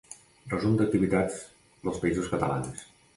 Resum d'activitats dels països catalans.